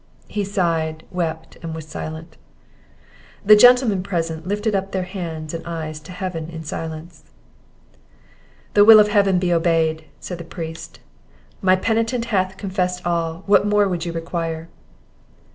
He sighed, wept, and was silent. The gentlemen present lifted up their hands and eyes to Heaven in silence. "The will of Heaven be obeyed!" said the priest. "My penitent hath confessed all; what more would you require?"